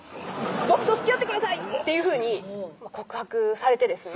「僕とつきあってください！」っていうふうに告白されてですね